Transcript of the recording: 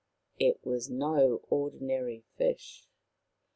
It was no ordinary fish.